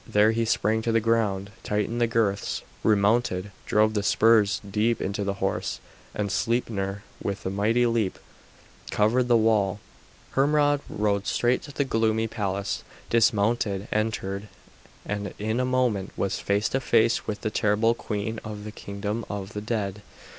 There he sprang to the ground, tightened the girths, remounted, drove the spurs deep into the horse, and Sleipner, with a mighty leap, cleared the wall. Hermod rode straight to the gloomy palace, dismounted, entered, and in a moment was face to face with the terrible queen of the kingdom of the dead.